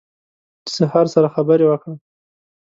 د سهار سره خبرې وکړه